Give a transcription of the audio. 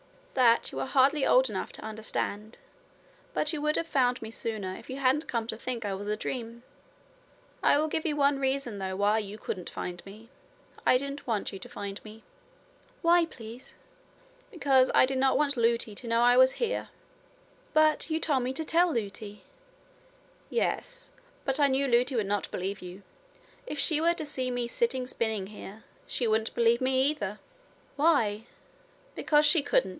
'That you are hardly old enough to understand. But you would have found me sooner if you hadn't come to think I was a dream. I will give you one reason though why you couldn't find me. I didn't want you to find me.' 'Why, please?' 'Because I did not want Lootie to know I was here.' 'But you told me to tell Lootie.' 'Yes. But I knew Lootie would not believe you. If she were to see me sitting spinning here, she wouldn't believe me, either.' 'Why?' 'Because she couldn't.